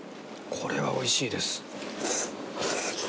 これは美味しいです。